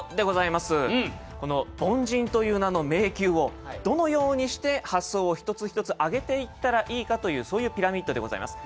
この凡人という名の迷宮をどのようにして発想を一つ一つ上げていったらいいかというそういうピラミッドでございます。